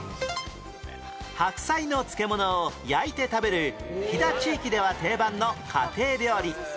白菜の漬物を焼いて食べる飛騨地域では定番の家庭料理